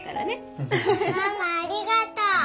ママありがとう。